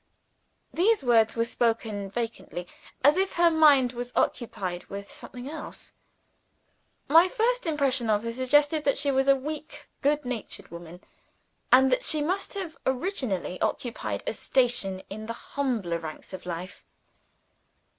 (These words were spoken vacantly, as if her mind was occupied with something else. My first impression of her suggested that she was a weak, good natured woman, and that she must have originally occupied a station in the humbler ranks of life.)